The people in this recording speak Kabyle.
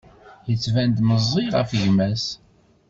Yettban-d meẓẓi ɣef gma-s.